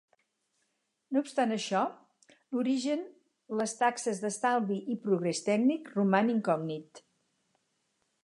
No obstant això l'origen les taxes d'estalvi i progrés tècnic roman incògnit.